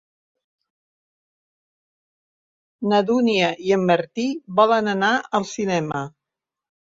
El vint-i-nou de febrer na Dúnia i en Martí volen anar al cinema.